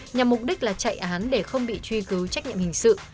nhằm mục đích là chạy án để không bị truy cứu trách nhiệm hình sự